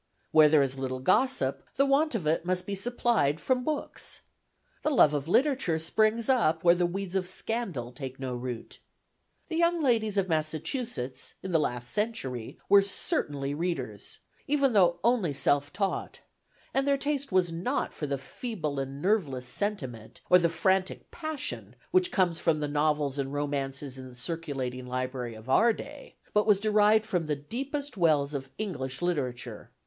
Where there is little gossip, the want of it must be supplied from books. The love of literature springs up where the weeds of scandal take no root. The young ladies of Massachusetts, in the last century, were certainly readers, even though only self taught; and their taste was not for the feeble and nerveless sentiment, or the frantic passion, which comes from the novels and romances in the circulating library of our day, but was derived from the deepest wells of English literature.